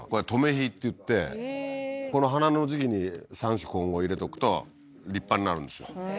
肥っていってこの花の時期に３種混合入れとくと立派になるんですよへ